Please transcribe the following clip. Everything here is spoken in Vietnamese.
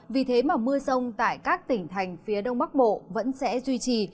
vì thế mà mưa sông tại các tỉnh thành phía đông bắc bộ vẫn sẽ duy trì